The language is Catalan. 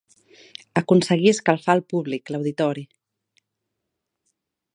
Aconseguir escalfar el públic, l'auditori.